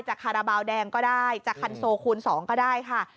คาราบาลแดงก็ได้จากคันโซคูณ๒ก็ได้ค่ะ